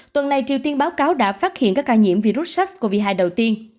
tuần này triều tiên báo cáo đã phát hiện các ca nhiễm virus sars cov hai đầu tiên